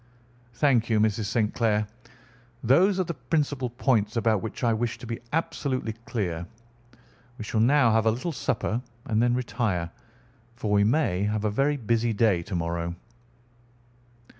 "Thank you, Mrs. St. Clair. Those are the principal points about which I wished to be absolutely clear. We shall now have a little supper and then retire, for we may have a very busy day to morrow."